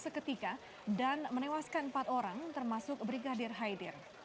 seketika dan menewaskan empat orang termasuk brigadir haidir